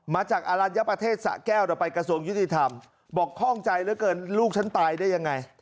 มาจากอรัญญประเทศสะแก้วเดี๋ยวไปกระทรวงยุติธรรมบอกข้องใจเหลือเกินลูกฉันตายได้ยังไง